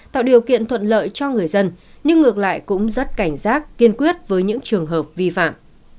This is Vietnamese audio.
tạo điều kiện thuận lợi cho người dân nhưng ngược lại cũng rất cảnh giác kiên quyết với những trường hợp vi phạm